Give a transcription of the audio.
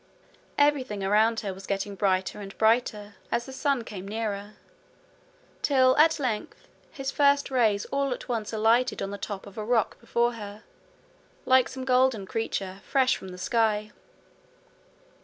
Everything around her was getting brighter and brighter as the sun came nearer; till at length his first rays all at once alighted on the top of a rock before her, like some golden creature fresh from the sky.